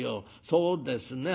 そうですね